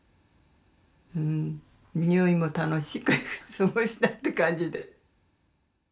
入院も楽しく過ごしたって感じで。